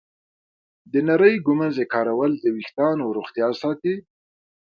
د نرمې ږمنځې کارول د ویښتانو روغتیا ساتي.